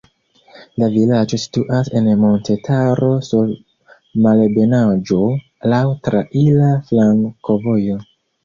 La vilaĝo situas en montetaro sur malebenaĵo, laŭ traira flankovojo.